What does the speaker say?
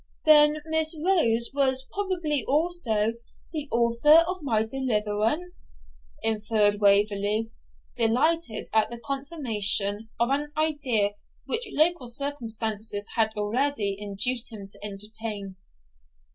'Then Miss Rose was probably also the author of my deliverance,' inferred Waverley, delighted at the confirmation of an idea which local circumstances had already induced him to entertain.